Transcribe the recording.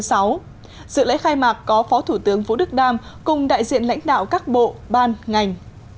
sự lễ khai mạc có phó thủ tướng vũ đức đam cùng đại diện lãnh đạo các bộ ban ngành